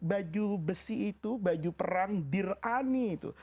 baju besi itu baju perang dirani itu